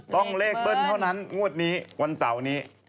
เลขเบิ้ลเท่านั้นงวดนี้วันเสาร์นี้